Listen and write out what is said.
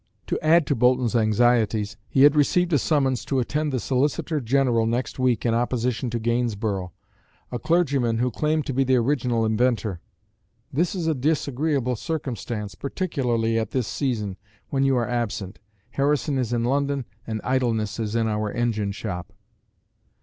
To add to Boulton's anxieties, he had received a summons to attend the Solicitor General next week in opposition to Gainsborough, a clergyman who claimed to be the original inventor. "This is a disagreeable circumstance, particularly at this season, when you are absent. Harrison is in London and idleness is in our engine shop."